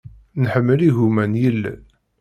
Nḥemmel igumma n yilel.